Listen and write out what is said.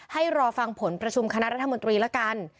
รอฟังผลประชุมคณะรัฐมนตรีละกัน